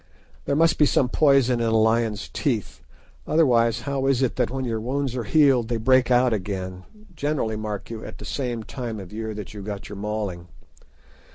There must be some poison in a lion's teeth, otherwise how is it that when your wounds are healed they break out again, generally, mark you, at the same time of year that you got your mauling?